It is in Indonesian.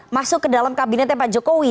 masuk ke dalam kabinetnya pak jokowi